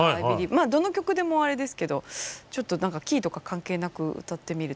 まあどの曲でもあれですけどちょっとキーとか関係なく歌ってみると。